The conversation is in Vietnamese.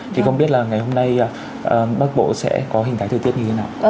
thì không biết là ngày hôm nay bắc bộ sẽ có hình thái thời tiết như thế nào